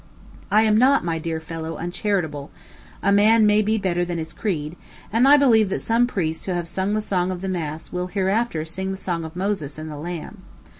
I am not, my dear fellow, uncharitable; a man may be better than his creed; and I believe that some priests who have sung the song of the mass will hereafter sing the song of Moses and the Lamb.